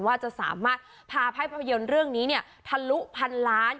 ว่าจะสามารถพาภาพยนตร์เรื่องนี้เนี่ยทะลุพันล้าน